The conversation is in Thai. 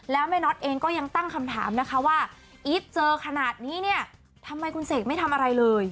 แล้วแม่น็อตเองก็ยังตั้งคำถามนะคะว่าอีทเจอขนาดนี้เนี่ยทำไมคุณเสกไม่ทำอะไรเลย